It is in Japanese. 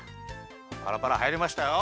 パラパラはいりましたよ。